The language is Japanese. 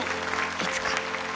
いつか。